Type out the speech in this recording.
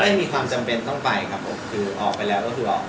ไม่มีความจำเป็นต้องไปครับผมคือออกไปแล้วก็คือออก